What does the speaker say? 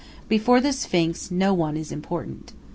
Before the Sphinx no one is important.